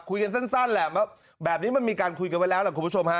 คุยกันสั้นแหละแบบนี้มันมีการคุยกันไว้แล้วล่ะคุณผู้ชมฮะ